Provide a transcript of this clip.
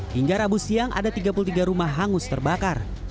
hingga rabu siang ada tiga puluh tiga rumah hangus terbakar